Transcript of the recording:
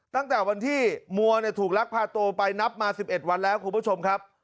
ตั้งแต่วันที่มัวถูกลักพาตัวไปนับมา๑๑วันแล้วคุณผู้ชมครับ